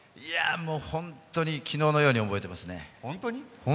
本当に昨日のように覚えていますね。